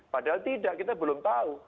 padahal tidak kita belum tahu